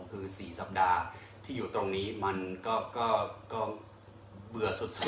คือ๔สัปดาห์ที่อยู่ตรงนี้มันก็เบื่อสุด